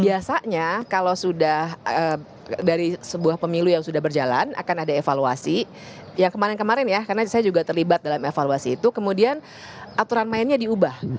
biasanya kalau sudah dari sebuah pemilu yang sudah berjalan akan ada evaluasi yang kemarin kemarin ya karena saya juga terlibat dalam evaluasi itu kemudian aturan mainnya diubah